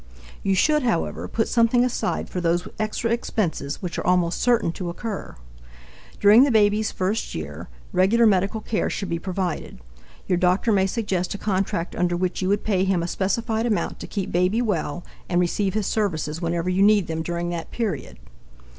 You should, however, put something aside for those extra expenses which are almost certain to occur. During the baby's first year, regular medical care should be provided. Your doctor may suggest a contract under which you would pay him a specified amount to keep baby well and receive his services whenever you need them during that period.